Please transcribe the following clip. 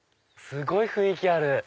すごい雰囲気ある！